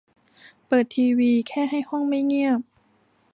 เปิดทีวีแค่ให้ห้องไม่เงียบ